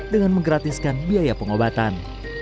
dengan menggratiskan biaya pengobatan